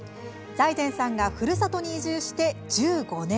財前さんが、ふるさとに移住して１５年。